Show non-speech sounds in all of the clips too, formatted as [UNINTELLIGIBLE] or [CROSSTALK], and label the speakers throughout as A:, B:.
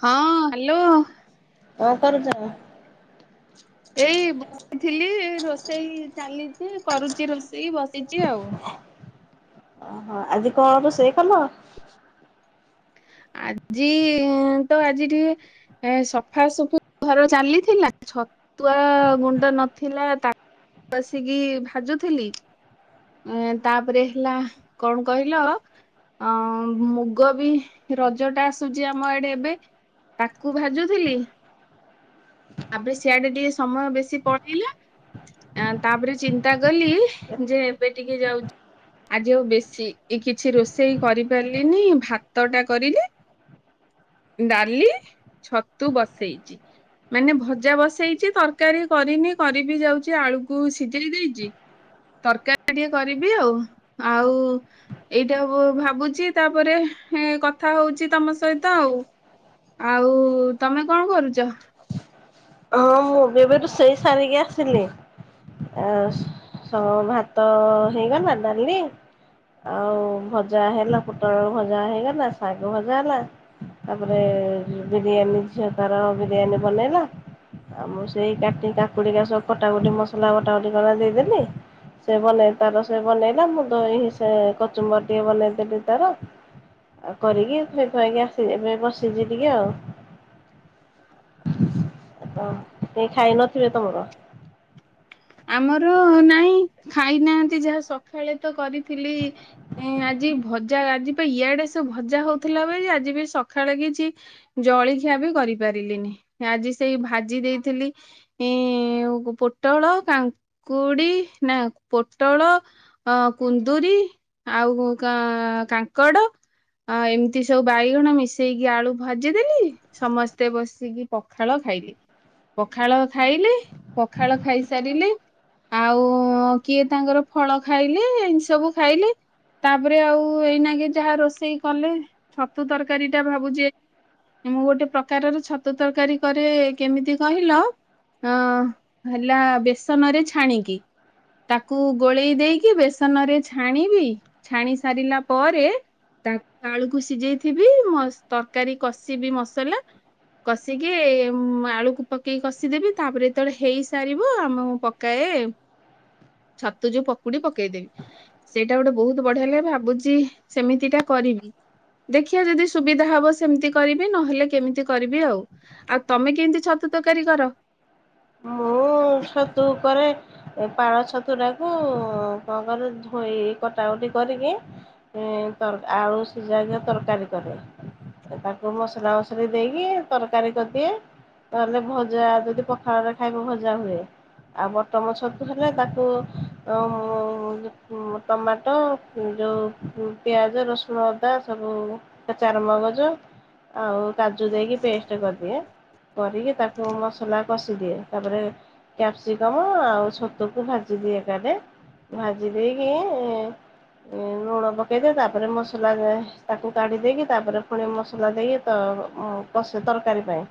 A: ହଁ ହାଲୋ।
B: କଣ କରୁଚ?
A: ଏଇ ବସିଥିଲି ରୋଷେଇ ଚାଲିଛି କରୁଚି ରୋଷେଇ ବସିଛି ଆଉ।
B: ଓହୋ ଆଜି କଣ ରୋଷେଇ କଲ?
A: ଆଜି ତ ଆଜି ଟିକେ ସଫାସୁଫି ଘର ଚାଲିଥିଲା ଛତୁଆ ଗୁଣ୍ଡ ନଥିଲା ତାକୁ ଆସିକି ଭାଜୁଥିଲି ଏ ତାପରେ ହେଲା କଣ କହିଲ ଅ ମୁଗ ବି ରଜ ଟା ଆସୁଛି ଆମ ଆଡେ ଏବେ ତାକୁ ଭାଜୁଥିଲି ତାପରେ ସିଆଡେ ଟିକେ ସମୟ ବେଶୀ ପଳେଇଲା ତାପରେ ଚିନ୍ତା କଲି ଯେ ଏବେ ଟିକେ ଯାଉଛି ଆଜି ଆଉ ବେଶୀ କିଛି ରୋଷେଇ କରିପାରିଲିନି ଭାତଟା କରିଲି ଡାଲି ଛତୁ ବସେଇଛି ମାନେ ଭଜା ବସେଇଛି ତରକାରୀ କରିନି କରିବି ଯାଉଛି ଆଳୁକୁ ସିଝେଇ ଦେଇଛି ତରକାରୀ ଟିକେ କରିବି ଆଉ ଆଉ ଏଇଟା ଭାବୁଛି ତାପରେ କଥା ହଉଛି ତମ ସହିତ ଆଉ ଆଉ ତମେ କଣ କରୁଚ?
B: ହଁ ମୁଁ ଏବେ ରୋଷେଇ ସାରିକି ଆସିଲି ଆ ଭାତ ହେଇଗଲା ଡାଲି ଆଉ ଭଜା ହେଲା ପୋଟଳ ଭଜା ହେଇଗଲା ଶାଗ ଭଜା ହେଲା ତାପରେ ବିରିୟାନୀ ଝିଅ ତାର ବିରିୟାନୀ ବନେଇଲା। ଆଉ ମୁଁ ସେଇ କା କାକୁଡିିକା ସବୁ କଟାକୁଟି ମସଲା କଟାକୁଟି କ ଦେଇଦେଲି ସେ ବେଇ ତାର ସେ ବନେଇଲା ମୁଁ ଦ ସେ କଚୁମ୍ବର ଟିକେ ବନେଇଦେଲି ତାର ଆଉ କରିକି ଥୋଇଥୁଆକି ଆସିଛି ଏବେ ବସିଛି ଟିକେ ଆଉ। ତ କେହି ଖାଇ ନଥିବେ ତମର?
A: ଆମର ନାଇଁ ଖାଇନାହାନ୍ତି ଯାହା ସଖାଳେ ତ କରିଥିଲି ଆଜି ଭଜା ଆଜି ପାଇଁ ଇଆଡେ ସବୁ ଭଜା ହଉଥିଲା ବେଳେ ଆଜି ବି ସଖାଳେ କିଛି ଜଳଖିଆ ବି କରିପାରିଲିନି ଆଜି ସେଇ ଭାଜି ଦେଇଥିଲି ପୋଟଳ କାଙ୍କୁଡି ନା ପୋଟଳ ଅ କୁନ୍ଦୁରି ଆଉ କାଙ୍କଡ ଏମିତି ସବୁ ବାଇଗଣ ମିଶେଇକି ଆଳୁ ଭାଜିଦେଲି ସମସ୍ତେ ବସିକି ପଖାଳ ଖାଇଲେ ପଖାଳ ଖାଇଲେ ପଖାଳ ଖାଇ ସାରିଲି ଆଉ କିଏ ତାଙ୍କର ଫଳ ଖାଇଲେ ଏ ସବୁ ଖାଇଲେ ତାପରେ ଆଉ ଏଇନାକେ ଯାହା ରୋଷେଇ କଲେ ଛତୁ ତରକାରୀ ଟା ଭାବୁଛି ମୁଁ ଗୋଟେ ପ୍ରକାରର ଛତୁ ତରକାରୀ କରେ କେମିତି କହିଲ ହେଲା। ବେସନ ରେ ଛାଣିକି ତାକୁ ଗୋଳେଇ ଦେଇକି ବେସନରେ ଛାଣିବି ଛାଣି ସାରିଲା ପରେ ତାକୁ ଆଳୁକୁ ସିଝେଇଥିବି ତରକାରୀ କଷିବି ମସଲା କଷିକି ଆଳୁକୁ ପକେଇକି କଷିଦେବି ତାପରେ ଯେତେବେଳେ ହେଇସାରିବ ମୁଁ ପକାଏ ଛତୁ ଯୋଉ ପକୁଡି ପକେଇଦେବି ସେଇଟା ଗୋଟେ ବହୁତ ବଢିଆ ଲାଗ ଭାବୁଛି ସେମିତିଟା କରିବି ଦେଖିବା ଯଦି ସୁବିଧା ହବ ସେମିତି କରିବି ନହେଲେ କେମିତି କରିବି ଆଉ ଆଉ ତମେ କେମିତି ଛତୁ ତରକାରୀ କର?
B: ମୁଁ ଛତୁ କରେ ପାଳ ଛତୁ ଟାକୁ କଣକରେ ଧୋଇ କଟାକୁଟି କରିକି ଆଳୁ ସିଝା ତରକାରୀ କରେ ତାକୁ ମସଲା ମୁସୁଲି ଦେଇକି ତରକାରୀ କରିଦିଏ ତାହେଲେ ଭଜା ଯଦି ପଖାଳରେ ଖାଇବ ଭଜା ଭଜା ହୁଏ ଆଉ ବଟମ ଛତୁ ହେଲେ ତାକୁ ଟମାଟୋ ଯେଉଁ ପିଆଜ ରସୁଣ ଅଦା ସବୁ ଚାରମଗଜ ଆଉ କାଜୁ ଦେଇକି ପେଷ୍ଟ କରିଦିଏ କରିକି ତାକୁ ମସଲା କଷିଦିଏ ତାପରେ କ୍ୟାପସିକମ ଆଉ ଛତୁକୁ ଭାଜି ଦିଏ ଏକାଠେ ଭାଜି ଦେଇକି ଲୁଣ ପକେଇଦିଏ ତାପରେ ମସଲା ତାକୁ କାଢି ଦେଇକି ତାପରେ ପୁଣି ମସଲା ଦେଇକି କଷା ତରକାରୀ ପାଇଁ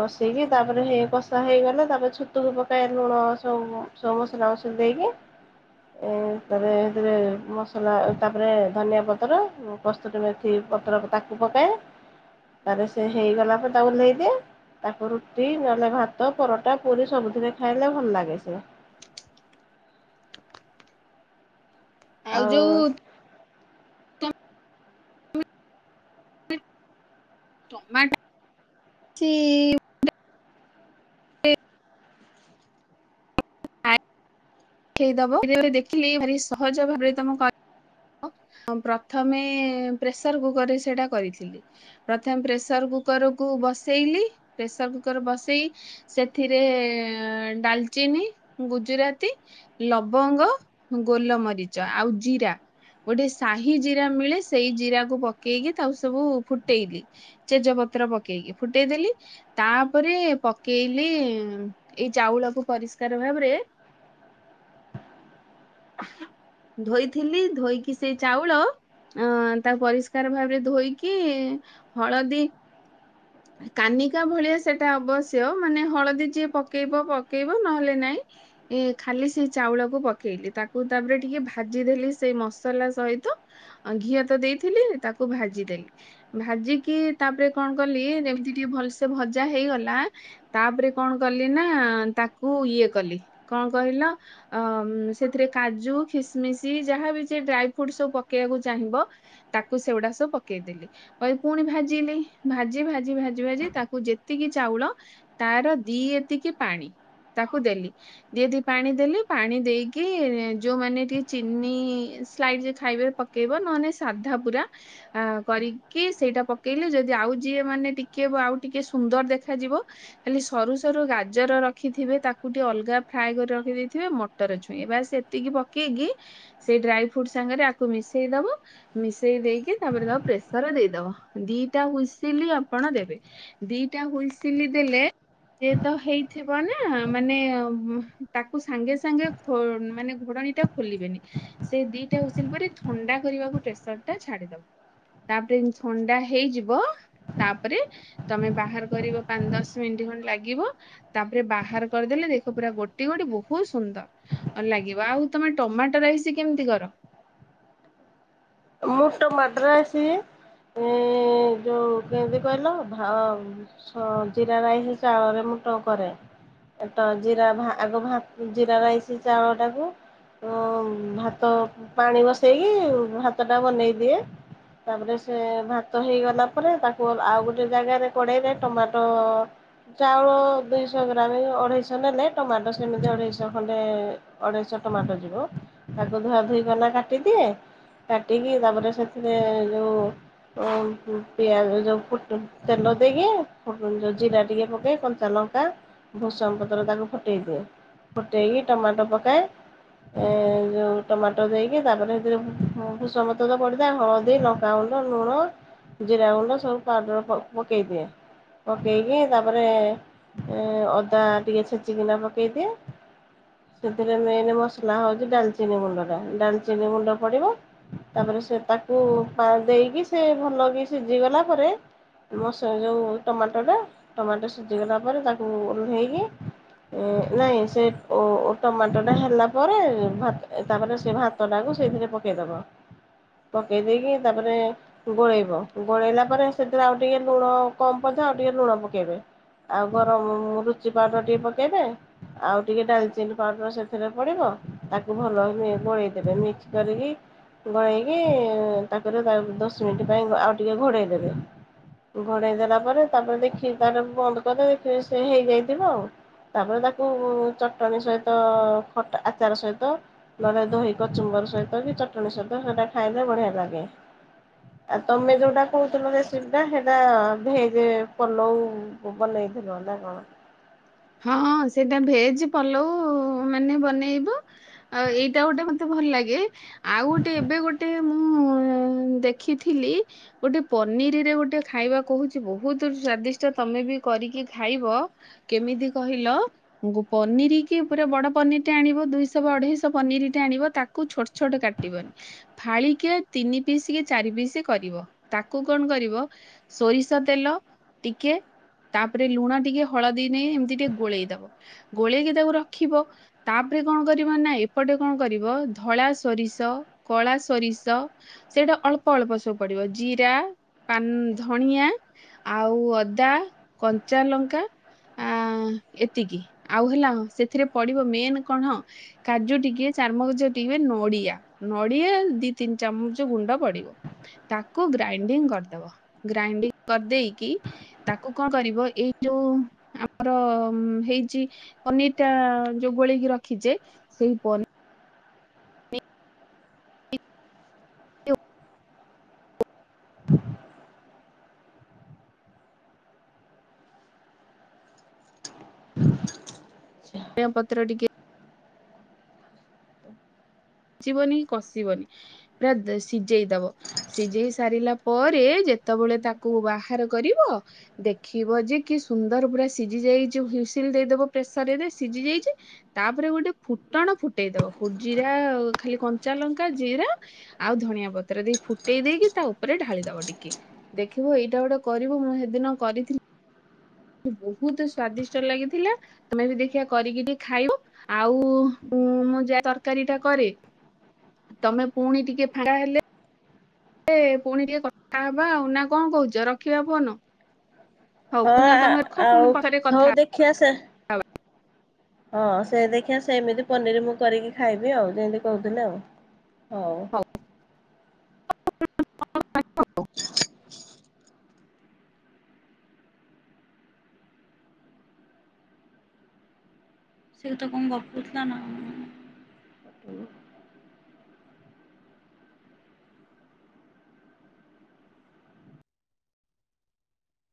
B: ବଷେଇକି ତାପରେ କଷା ହେଇଗଲା ତାପରେ। ଛୁତୁକୁ ପକାଏ ଲୁଣ ସବୁ ସବୁ ମସଲା ମୁସୁଲି ଦେଇକି ତାପରେ ସେଥିରେ ମସଲା ତାପରେ ଧନିଆ ପତ୍ର ପସ୍ତ ମେଥି ପତ୍ର ତାକୁ ପକାଏ ତାରେ ସେ ହୋଇଇଗଲା ପରେ ତାକୁ ଓହ୍ଲାଇଦିଏ ତାକୁ ରୁଟି ନହେଲେ ଭାତ ପରଟା। ପରି ସବୁଥିରେ ଖାଇଲେ ଭଲ ଲାଗେ ସିଏ।
A: ଆଉ ଯୋଉ ଟମାଟୋ। ଦେଖିଲି ଭାରି ସହଜ ଭାବରେ ତମେ ମୁଁ ପ୍ରଥମେ ପ୍ରେସର କୁକରରେ ସେଇଟା କରିଥିଲି ପ୍ରଥମେ ପ୍ରେସର କୁକରକୁୁ ବସେଇଲି ପ୍ରେସର କୁକର ବସେଇ ସେଥିରେ ଡାଲଚିନି ଗୁଜୁରାତି ଲବଙ୍ଗ ଗୋଲମରିଚ ଆଉ ଜିରା। ଗୋଟେ ସାହି ଜିରା ମିଳେ ସେଇ ଜିରାକୁ ପକେଇକି ତାକୁ ସବୁ ଫୁଟେଇ ଦିଏ ତେଜ ପତ୍ର ପକେଇକି ଫୁଟେଇଦେଲି ତାପରେ ପକେଇଲି ଏଇ ଚାଉଳକୁ ପରିଷ୍କାର ଭାବରେ ଧୋଇଥିଲି। ଧୋଇକି ସେ ଚାଉଳ ତାକୁ ପରିଷ୍କାର ଭାବରେ ଧୋଇକି ହଳଦୀ କାନିକା ଭଳିଆ ସେଟା ଅବଶ୍ୟ ମାନେ ହଳଦୀ ଯିଏ ପକେଇବ ପକେଇବ ନହେଲେ ନାଇଁ ଏ ଖାଲି ସେ ଚାଉଳକୁ ପକେଇଲି ତାକୁ ତାପରେ ଟିକେ ଭାଜିଦେଲି ସେଇ ମସଲା ସହିତ ଘିଅ ତ ଦେଇଥିଲି ତାକୁ ଭାଜିଦେଲି ଭାଜିକି ତାପରେ କଣ କଲି ଯେମିତି ଟିକେ ଭଲସେ ଭଜା ହେଇଗଲା ତାପରେ କଣ କଲି ନା ତାକୁ ଇଏ କଲି କଣ କହିଲ ସେଥିରେ କାଜୁ ଖିସମିଶ ଯାହାବ ସେ ଡ୍ରାଇ ଫ୍ରୁଟ ସବୁ ପକେଇବାକୁ ଚାହିଁବ ତାକୁ ସେଗୁଡା ସବୁ ପକେଇଦେଲି କହିଲ ପୁଣି ଭାଜିଲି ଭାଜି ଭାଜି ଭାଜି ଭାଜି ତାକୁ ଯେତିକି ଚାଉଳ ତାର ଦି ଏତିକି ପାଣି ତାକୁ ଦେଲି ଦି ଦି ପାଣି ଦେଲି ପାଣି ଦେଇକି ଯୋଉମାନେ ଟିକେ ଚିନି ସ୍ଲାଇ ଖାଇବେ ପକେଇବ ନହେଲେ ସାଧା ପୁରା କରିକି ସେଇଟା ପକେଇଲି ଯଦି ଆଉ ଯିଏ ମାନେ ଟିକେ ଆଉ ଟିକେ ସୁନ୍ଦର ଦେଖାଯିବ ଖାଲି ସରୁ ସରୁ ଗାଜର ରଖିଥିବେ ତାକୁ ଟିକେ ଅଲଗା ଫ୍ରାଏ କରି ରଖି ଦେଇେଇଥିବେ ମଟର ଛୁଇଁ ବା ସେତିକି ପକେଇକି ସେଇ ଡ୍ରାଇ ଫ୍ରୁଟ ସାଙ୍ଗରେ ତାକୁ ମିଶେଇ ଦବ ମିଶେଇ ଦେଇକି ତାପରେବ ପ୍ରେସର ଦେଇଦବ ଦିଟା ହୁଇସିଲି ଆପଣ ଦେବେ ଦିଟା ହୁଇସିଲ ଦେଲେ ଯେ ତ ହେଇଥିବ ନା ମାନେ ତାକୁ ସାଙ୍ଗେ ସାଙ୍ଗେ ମାନେ ଘୋଡଣୀ ଟା ଖୋଲିବେନି ସେ ଦିଟା ହସିଲ ପରେ ଥଣ୍ଡା କରିବାକୁ ପ୍ରେସର ଟା ଛାଡିଦବ ତାପରେ ଥଣ୍ଡା ହେଇଯିବ। ତାପରେ ତମେ ବାହାର କରିବ ପାଞ୍ଚ ଦଶ ମିନିଟ ଖଣ୍ଣ୍ଡ ଲାଗିବ ତାପରେ ବାହାର କରିଦେଲେ ଦେଖ ପୁରା ଗୋଟି ଗୋଟି ବହୁତ ସୁନ୍ଦର ଲାଗିବ ଆଉ ତମେ ଟମାଟୋ ରହିସ କେମିତି କର
B: ମୁଟ ମାଟର ଆସି ଯୋଉ କେମିତି କହିଲ ଜିରା ରାଇସ୍ ଚାଉଳରେ ମୁଟ କରେରା ଆଗ ଜିରା ରାଇସ୍ ଚାଉଳ ଟାକୁ ଭାତ ପାଣି ବସେଇକିାତ ଭାତଟା ବନେଇ ଦିଏ ତାପରେ ସେ ଭାତ ହେଇଗଲା ପରେ ତାକୁ ଆଉ ଗୋଟେ ଜାଗାରେ କୋଡ଼େଇଲେ ଟମାଟୋ ଚାଉଳ ଦୁଇଶହ ଗ୍ରାମ ଅଢ଼େଇଶହ ନେଲେ ଟମାଟୋ ସେମିତି ଅଢ଼େଇଶହ ଖଣ୍ଡେ ଅଢ଼େଇଶହ ଟମାଟୋ ଯିବ ତାକୁ ଧୁଆ ଧୁଇ କନା କାଟିଦିଏ କାଟିକି ତାପରେ ସେଥିରେ ଯେଉଁ ପିଆଜ ଯେଉଁ ଫୁଟ ତେଲ ଦେଇକି ଯେଉଁ ଜିରା ଟିକେ ପକାଇ କଞ୍ଚା ଲଙ୍କା ଭୂସଙ୍ଗ ପତ୍ର ତାକୁ ଫୁଟାଇଦିଏ ଫୁଟାଇକି ଟମାଟୋ ପକାଏ ଯେଉଁ ଟମାଟୋ ଦେଇକି ତାପରେ ସେଥିରେ ଉଁ ଭୁଷମ ପତ୍ର ପଡ଼ିଥାଏ ହଳଦୀ ଲଙ୍କାଗୁଣ୍ଡ ଲୁଣ ଜିରା ଗୁଣ୍ଡ ସବୁ ପାଉଡ଼ର ପ-ପକେଇଦିଏ ପକାଇକି ତାପରେ ଅଦା ଟିକେ ଛେଚିକିନା ପକାଇଦିଏ ସେଥିରେ ମେନ୍ ମସଲା ହେଉଛି ଡାଲଚିନି ଗୁଣ୍ଡଟା ଡାଲଚିନି ଗୁଣ୍ଡ ପଡ଼ିବ ତାପରେ ସେ ତାକୁ ଦେଇକି ସେ ଭଲକ ସିଝିଗଲା ପରେ ମସ ଯେଉ ଟମାଟୋଟା ଟମାଟୋ ସିଝିଗଲା ପରେ ତାକୁ ଓହ୍ଲେଇକି ନାହିଁ ସେ ଓ ଟମାଟୋଟା ହେଲା ପରେ ତାପରେ ଭା ସେ ଭାତଟାକୁ ସେଇଥିରେ ପକେଇଦବ ପକେଇ ଦେଇକି ତାପରେ ଗୋଳେଇବ ଗୋଳେଇଲା ପରେ ସେଥିରେ ଆଉ ଟିକେ ଲୁଣ କମ ପଥା ଆଉ ଟିକେ ଲୁଣ ପକେଇବେ ଆଉ ଗରମ ରୁଚି ପାଉଡର ଟିକେ ପକେଇବେ ଆଉ ଟିକେ ଡାଲଚିନ ପାଉଡର ସେଥିରେ ପଡିବ ତାକୁ ଭଲ ଗୋଳେଇଦବେ ମିକ୍ସ କରିକି ଗୋଳେଇକି ତାପରେ ତା ଦଶ ମିନିଟ ପାଇଁ ଆଉ ଟିକେ ଘୋଡ଼େଇ ଦେବେ ଘୋଡ଼େଇ ଦେଲା ପରେ ତାପରେ ଦେଖିକି ତା ବନ୍ଦ କରିଦେ ଦେଖି ସେ ହେଇଯାଇଥିବ ଆଉ ତାପରେ ତାକୁ ଚଟଣି ସହିତ ଖଟ ଆଚାର ସହିତ ନହେଲେ ଦହି କଚୁମ୍ବର ସହିତ କି ଚ ଶୁଣି ସତ ସେଟା ଖାଇଲେ ବଢିଆ ଲାଗେ ଆଉ ତମେ ଯୋଉଟା କହୁଥିଲ ରେସିପି ଟା ସେଇଟା ଭେଜ ପଲଉ ବନେଇଥିଲ ନା କଣ
A: ହଁ ସେଇଟା ଭେଜ ପଲଉ ମାନେ ବନେଇବ ଆଉ ଏଇଟା ଗୋଟେ ମତେ ଭଲ ଲାଗେ ଆଉ ଗୋଟେ ଏବେ ଗୋଟେ ମୁଁ ଦେଖିଥିଲି ଗୋଟେ ପନିରରେ ଗୋଟେ ଖାଇବା କହୁଛି ବହୁତ ସ୍ଵାଦିଷ୍ଟ ତମେ ବି କରିକି ଖାଇବ କେମିତି କହିଲ ଗୋ ପନିରକି ପୁରା ବଡ ପନିର ଟେ ଆଣିବ ଦୁଇଶହ ବା ଅଢେଇଶହ ପନିର ଟେ ଆଣିବ ତାକୁ ଛୋଟ ଛୋଟ କାଟିବନି ଫାଳିକେ ତିନି ପିସ୍ କି ଚାରି ପିସ୍ କରିବ ତାକୁ କଣ କରିବ ସୋରିଷ ତେଲ ଟିକେ ତାପରେ ଲୁଣ ଟିକେ ହଳଦୀ ଏମିତି ଟିକେ ଗୋଳେଇ ଦବ ଗୋଳେଇକି ତାକୁ ରଖିବ ତାପରେ କଣ କରିବ ନା ଏପଟେ କଣ କରିବ ଧଳା ସୋରିଷ କଳା ସୋରିଷ ସେଇଟା ଅଳ୍ପ ଅଳ୍ପ ସବୁ ପଡିବ ଜିରା ଧଣିଆ ଆଉ ଅଦା କଞ୍ଚା ଲଙ୍କା ଆ ଏତିକି ଆଉ ହେଲା ସେଥିରେ ପଡିବ ମେନ କଣ କାଜୁ ଟିକେ ଚାରମକଜ ଟିକେ ନଡିଆ ନଡିଆ ଦି ତିନି ଚାମଚ ଗୁଣ୍ଡ ପଡିବ ତାକୁ ଗ୍ରାଇଣ୍ଡିଙ୍ଗ କରିଦବ ଗ୍ରାଇଣ୍ଡିଙ୍ଗ କରିଦେଇକି ତାକୁ କଣ କରିବ ଏଇ ଯୋଉ ଆ ଆମର ହେଇଛି ପନିରଟା ଯୋଉ ଗୋଳେଇକି ରଖିଛେ ସେଇନି ଆା ପତ୍ରଟିକେ ସିଜିବନି କି କଷିବନି ପୁରା ସିଝେଇ ଦବ ସିଝେଇ ସାରିଲା ପରେ ଯେତେବେଳେ ତାକୁ ବାହାର କରିବ ଦେଖିବ ଯେ କି ସୁନ୍ଦର ପୁରା ସିଝି ଯାଇଛି ହୁଇସିଲ ଦେଇଦବ ପ୍ରେସର ରେ ସିଝି ଯାଇଛି ତାପରେ ଗୋଟେ ଫୁଟଣ ଫୁଟେଇ ଦବ ଜିରା ଆଉ- ଖାଲି କଞ୍ଚା ଲଙ୍କା ଜିରା ଆଉ ଧନିଆ ପତ୍ର ଦେଇ ଫୁଟେଇ ଦେଇକି ତା ଉପରେ ଢାଳି ଦବ ଟିକେ ଦେଖିବ ଏଇଟା ଗୋଟେ କରିବୁ ମୁଁ ସେଦିନ କରିଥିଲି। ବହୁତ ସ୍ଵାଦିଷ୍ଟ ଲାଗିଥିଲା ତମେ ବି ଦେଖିବା କରିକି ଟିକେ ଖାଇବ ଆଉ ମୁଁ ଯାହା ତରକାରୀ ଟା କରେ ତମେ ପୁଣି ଟିକେ ଫା ହେଲେ ପୁଣି ଟିକେ କଥା ହବା ଆଉ ନା କଣ କହୁଛ ରଖିବା ଫୋଅନ-
B: ହଁ ଆଉ
A: ପଛରେ
B: ହଉ
A: କଥା
B: ଦେଖି ଆସେ ହଁ ସେ ଦେଖିିବା ସେମିତି ପନିର ମୁଁ କରିକି ଖାଇବି ଆଉ ଯେମିତି କହୁଥିଲି ଆଉ ହଉ
A: [UNINTELLIGIBLE]
B: ସେ ତ କଣ ଗପୁଥିଲା ନା